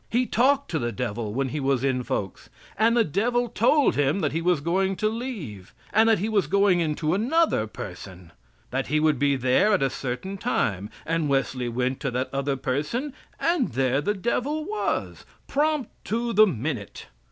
He talked to the devil when he was in folks, and the devil told him that he was going to leave; and that he was going into another person; that he would be there at a certain time; and Wesley went to that other person, and there the devil was, prompt to the minute.